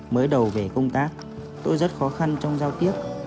mới đầu về công tác tôi rất khó khăn trong giao tiếp